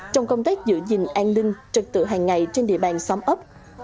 trong công tác giữ gìn an ninh trật tự hàng ngày trên địa bàn xóm ấp